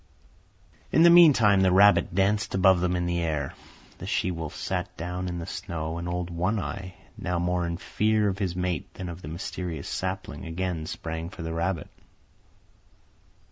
In the meantime the rabbit danced above them in the air. The she wolf sat down in the snow, and old One Eye, now more in fear of his mate than of the mysterious sapling, again sprang for the rabbit.